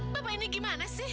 bapak ini bagaimana